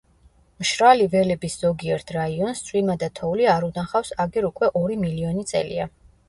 მშრალი ველების ზოგიერთ რაიონს წვიმა და თოვლი არ უნახავს აგერ უკვე ორი მილიონი წელია.